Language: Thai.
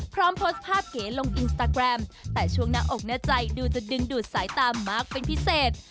พร้อมโพสต์ภาพเก๋ลงอินสตาแกรมแต่ช่วงหน้าอกหน้าใจดูจะดึงดูดสายตามากเป็นพิเศษ